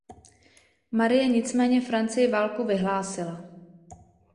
Marie nicméně Francii válku vyhlásila.